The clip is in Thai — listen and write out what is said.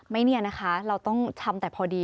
เนี่ยนะคะเราต้องทำแต่พอดี